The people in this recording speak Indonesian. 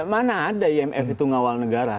mana ada imf itu ngawal negara